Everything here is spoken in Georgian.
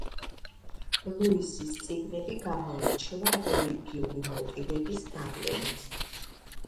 ლუისის წიგნები გამოირჩევა რელიგიური მოტივების გავლენით.